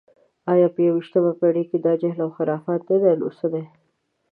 ایا په یویشتمه پېړۍ کې دا جهل و خرافات نه دي، نو څه دي؟